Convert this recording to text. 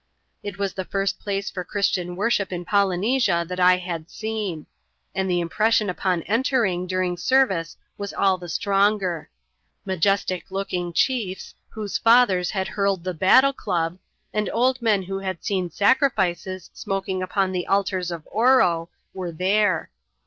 It was the first place for Christian worship in Polynesia that I had seen ; and the impression upon entering during service was all the stronger. Majestic looking chiefs, whose fathers had hurled the battle dub, and old men who had seen sacrifices si&oking upon the altars of Oro, were there.